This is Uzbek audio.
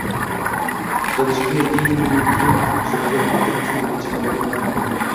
tuzalishga yeng shimargan mamlakat uchun birinchi navbatda nima muhim?